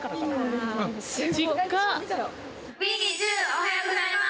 おはようございます！